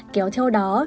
kéo theo đó